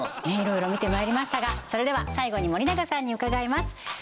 いろいろ見てまいりましたがそれでは最後に森永さんに伺います